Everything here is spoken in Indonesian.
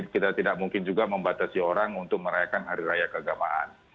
kita tidak mungkin juga membatasi orang untuk merayakan hari raya keagamaan